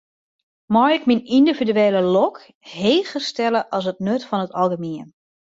Mei ik myn yndividuele lok heger stelle as it nut fan it algemien?